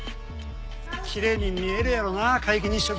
きれいに見えるやろうな皆既日食。